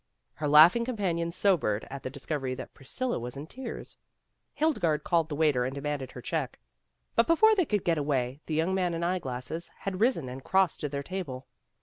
Her laughing companions sobered at the dis covery that Priscilla was in tears. Hilde garde called the waiter and demanded her check. But before they could get away, the young man in eye glasses had risen and crossed to their table.